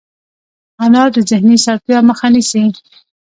انار د ذهني ستړیا مخه نیسي.